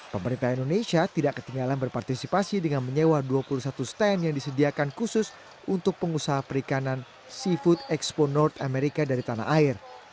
pemerintah indonesia tidak ketinggalan berpartisipasi dengan menyewa dua puluh satu stand yang disediakan khusus untuk pengusaha perikanan seafood expo north amerika dari tanah air